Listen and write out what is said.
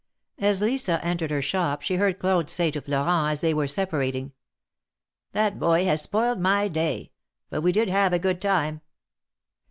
As Lisa entered her shop, she heard Claude say to Flo rent, as they were separating : ''That boy has spoiled my day; but we did have a good time